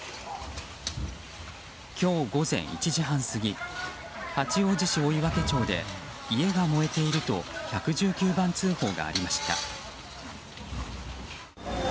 今日午前１時半過ぎ八王子市追分町で家が燃えていると１１９番通報がありました。